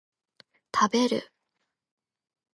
食べる